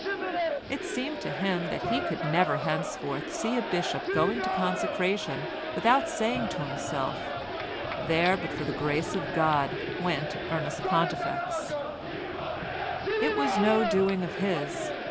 It seemed to him that he could never henceforth see a bishop going to consecration without saying to himself: "There, but for the grace of God, went Ernest Pontifex." It was no doing of his.